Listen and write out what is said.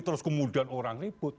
terus kemudian orang ribut